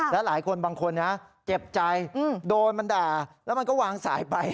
และหลายคนบางคนนะเจ็บใจโดนมันด่าแล้วมันก็วางสายไป